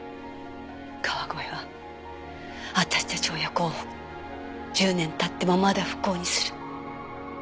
川越は私たち親子を１０年経ってもまだ不幸にする。